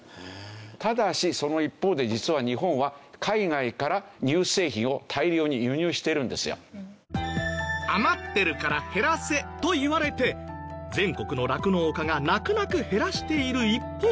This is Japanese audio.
ただしその一方で実は余ってるから減らせと言われて全国の酪農家が泣く泣く減らしている一方で。